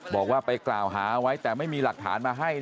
บอกว่าไปกล่าวหาไว้แต่ไม่มีหลักฐานมาให้